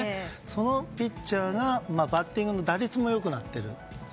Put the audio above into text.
そのピッチャーがバッティングも打率も良くなっている。